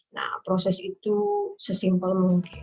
nah proses itu sesimpel mungkin